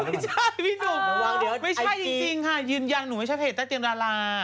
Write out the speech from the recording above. พี่หนุ่มไม่ใช่จริงค่ะยืนยันหนูไม่ใช่เพจใต้เตียงดารา